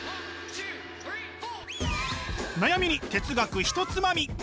「悩みに哲学ひとつまみ」！